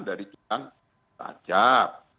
dari kilang jelacap